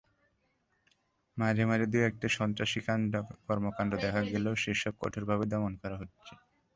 মাঝে মাঝে দু-একটা সন্ত্রাসী কর্মকাণ্ড দেখা গেলেও সেসব কঠোরভাবে দমন করা হচ্ছে।